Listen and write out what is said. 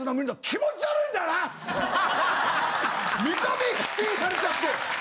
見た目否定されちゃって。